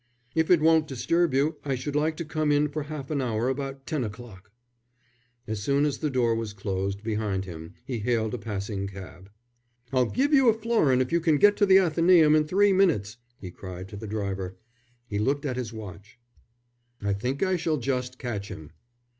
"If it won't disturb you I should like to come in for half an hour about ten o'clock." As soon as the door was closed behind him, he hailed a passing cab. "I'll give you a florin if you can get to the Athenæum in three minutes," he cried to the driver. He looked at his watch. "I think I shall just catch him."